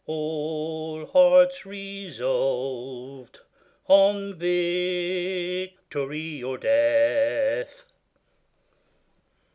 all hearts resolved On victory or death.